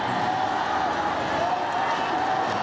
โอ้โอ้โอ้